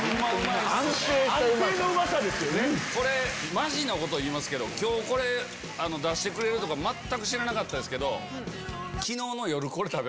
マジなこと言いますけど今日これ出してくれるとか全く知らなかったですけど。